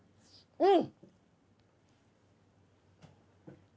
うん。